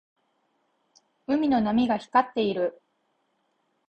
海の波が光っている。